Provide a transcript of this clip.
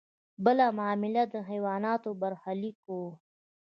بله معامله د حیواناتو برخلیک و.